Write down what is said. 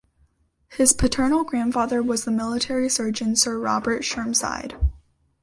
His paternal grandfather was the military surgeon Sir Robert Chermside.